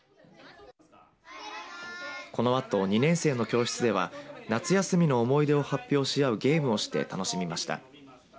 このあと２年生の教室では夏休みの思い出を発表しあうゲーもして楽しみました。